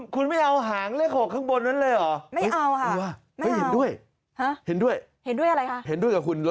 คุณไม่เอาหางเลข๖ข้างบนเลยเหรอ